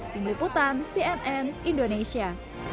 simliputan cnn indonesia